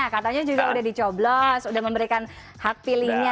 katanya juga udah di coblos udah memberikan hard pilihnya